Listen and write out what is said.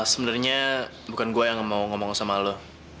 sebenarnya bukan gue yang mau ngomong sama lo